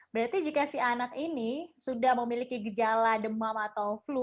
berarti jika si anak ini sudah memiliki gejala demam atau flu